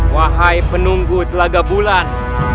wahai penunggu telaga bulan